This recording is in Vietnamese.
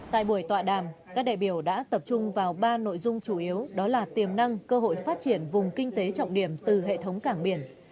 tại buổi tọa đàm các đại biểu đã tập trung vào ba nội dung chủ yếu đó là tiềm năng cơ hội phát triển vùng kinh tế trọng điểm từ hệ thống cảng biển